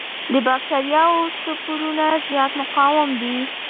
د بکټریاوو سپورونه زیات مقاوم دي.